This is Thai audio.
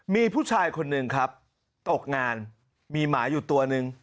มีผู้ชายคนหนึ่งครับตกงานมีหมาอยู่ตัวหนึ่ง